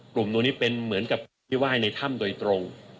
กลุ่มตัวนี้เป็นเหมือนกับที่ไหว้ในถ้ำโดยตรง